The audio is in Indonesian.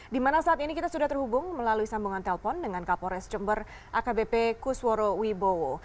di mana saat ini kita sudah terhubung melalui sambungan telpon dengan kapolres jember akbp kusworo wibowo